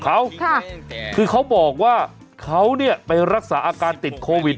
เขาค่ะคือเขาบอกว่าเขาเนี่ยไปรักษาอาการติดโควิด